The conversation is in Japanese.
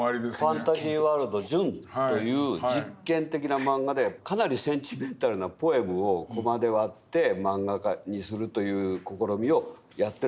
「ファンタジーワールドジュン」という実験的なマンガでかなりセンチメンタルなポエムをコマで割ってマンガ化にするという試みをやってるわけです。